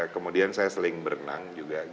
kemudian saya sering berenang juga